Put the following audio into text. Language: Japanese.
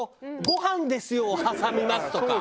ごはんですよ！を挟みますとか。